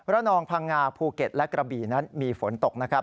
นองพังงาภูเก็ตและกระบี่นั้นมีฝนตกนะครับ